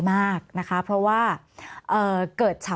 มีความรู้สึกว่าเสียใจ